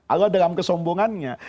allah dalam kesombongannya